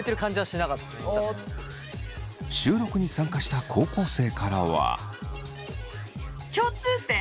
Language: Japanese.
収録に参加した高校生からは。